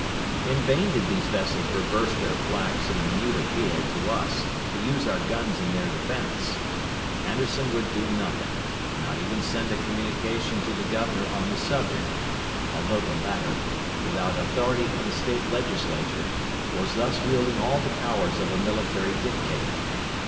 In vain did these vessels reverse their flags in a mute appeal to us to use our guns in their defense. Anderson would do nothing not even send a communication to the governor on the subject, although the latter, without authority from the State Legislature, was thus wielding all the powers of a military dictator.